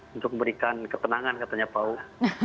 untuk memberikan ketenangan katanya pak uu